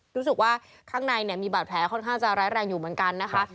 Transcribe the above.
รู้สึกว่าข้างในมีบาดแผลค่อนข้างจะร้ายแรงอยู่เหมือนกันนะคะ